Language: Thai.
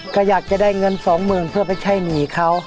ก็อยากจะได้เงินสองหมื่นเพื่อไปใช้หนี้เขา